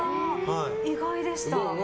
意外でした。